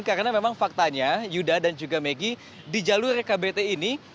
karena memang faktanya yuda dan juga megi di jalur kbt ini